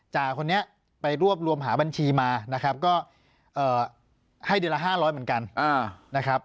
คนนี้ไปรวบรวมหาบัญชีมานะครับก็ให้เดือนละ๕๐๐เหมือนกันนะครับ